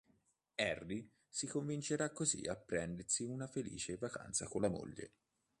Harry si convincerà così a prendersi una felice vacanza con la moglie.